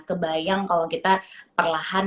kebayang kalau kita perlahan